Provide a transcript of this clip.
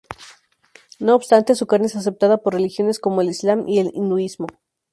No obstante su carne es aceptada por religiones como el Islam y el hinduismo.